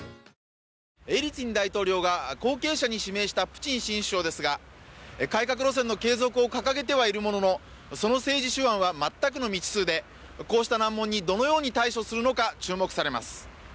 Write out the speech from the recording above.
エリツィン大統領が後継者に指名したプーチン新首相ですが改革路線の継続を掲げててはいるもののその政治手腕は全くの未知数でこうした難問にどのように対処するのか注目されます。